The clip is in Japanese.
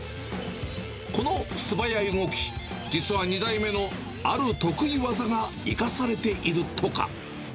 この素早い動き、実は２代目のある得意技が生かされているとか。